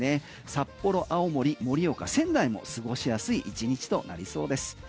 札幌、青森盛岡、仙台も過ごしやすい１日となりそうです。